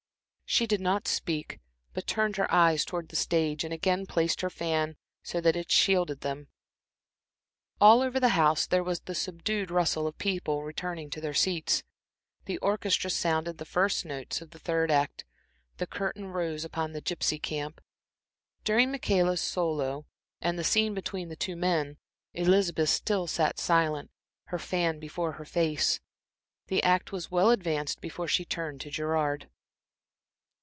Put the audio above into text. She did not speak, but turned her eyes towards the stage and again placed her fan so that it shielded them. All over the house there was the subdued rustle of people returning to their seats. The orchestra sounded the first notes of the third act, the curtain rose upon the gypsy camp. During Michaela's solo and the scene between the two men, Elizabeth still sat silent, her fan before her face. The act was well advanced before she turned to Gerard.